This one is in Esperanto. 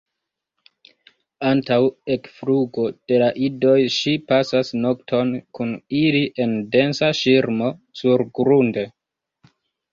Antaŭ ekflugo de la idoj ŝi pasas nokton kun ili en densa ŝirmo surgrunde.